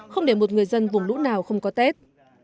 không để một người dân vùng lũ nào không có tết